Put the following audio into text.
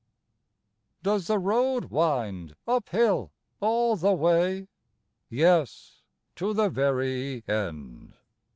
Does the road wind up hill all the way? Yes, to the very end.